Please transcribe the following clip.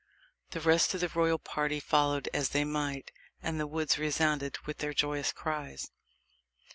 The rest of the royal party followed as they might, and the woods resounded with their joyous cries.